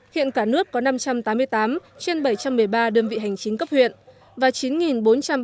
hiện cả nước có năm trăm tám mươi tám trên bảy trăm một mươi ba đơn vị hành chính cấp huyện và chín bốn trăm ba mươi bốn trên một mươi một một trăm sáu mươi hai